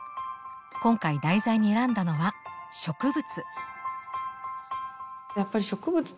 今回題材に選んだのは「植物」。